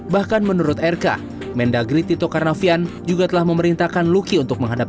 bahkan menurut rk mendagri tito karnavian juga telah memerintahkan luki untuk menghadapi